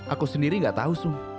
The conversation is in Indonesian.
aku sendiri nggak tahu sum